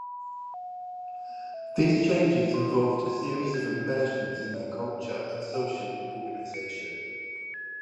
These changes involved a series of embellishments in their culture and social organization.